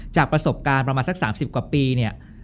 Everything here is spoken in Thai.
จากประสบการณ์ประมาณสัก๓๐กว่าปีเนี่ย